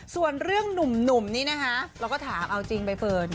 ส่วนเรื่องหนุ่มนี่นะคะเราก็ถามเอาจริงใบเฟิร์น